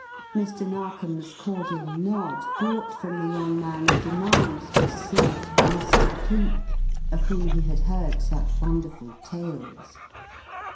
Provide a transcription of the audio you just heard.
Mr. Narkom's cordial nod brought from the young man a demand to see "Mr. Cleek," of whom he had heard such wonderful tales.